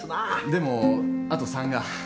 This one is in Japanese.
でもあと③が。